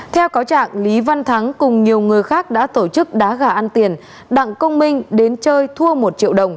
theo cáo trạng lý văn thắng cùng nhiều người khác đã tổ chức đá gà ăn tiền đặng công minh đến chơi thua một triệu đồng